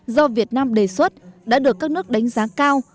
do việt nam đề xuất đã được các nước đánh giá cao